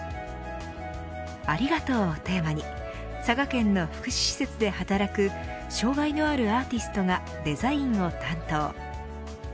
ありがとうをテーマに佐賀県の福祉施設で働く障害のあるアーティストがデザインを担当。